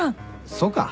そうか？